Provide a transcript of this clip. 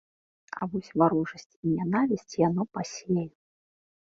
А вось варожасць і нянавісць яно пасее.